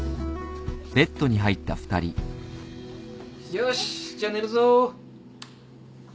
よしじゃ寝るぞ。